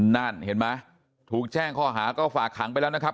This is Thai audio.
นั่นเห็นไหมถูกแจ้งข้อหาก็ฝากขังไปแล้วนะครับ